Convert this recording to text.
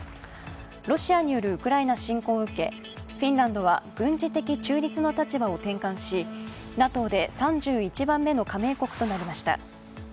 ロシアによるウクライナ侵攻を受け、フィンランドは軍事的中立の立場を転換しＮＡＴＯで３１番目の加盟国となりました。